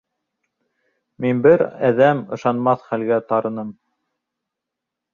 Мин бер әҙәм ышанмаҫ хәлгә тарыным.